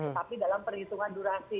tetapi dalam perhitungan durasi